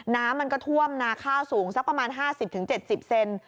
น้ำมันก็ท่วมนาข้าวสูงสักประมาณ๕๐๗๐เซน